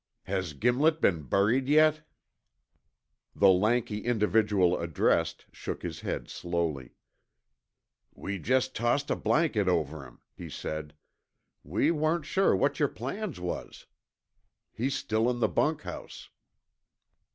"Has Gimlet been buried yet?" The lanky individual addressed shook his head slowly. "We jest tossed a blanket over him," he said. "We warn't shore what yore plans was. He's still in the bunkhouse."